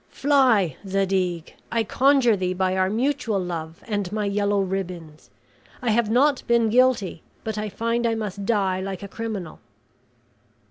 Fly, Zadig, I conjure thee by our mutual love and my yellow ribbons. I have not been guilty, but I find I must die like a criminal."